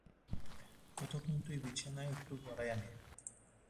ততক্ষণ তুই বিছানায় একটু গড়াইয়া নে।